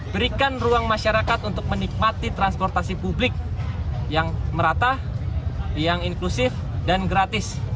berikan ruang masyarakat untuk menikmati transportasi publik yang merata yang inklusif dan gratis